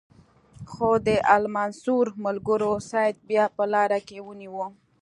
خو د المنصور ملګرو سید بیا په لاره کې ونیو.